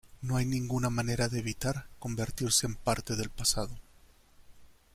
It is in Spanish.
No hay ninguna manera de evitar convertirse en parte del pasado".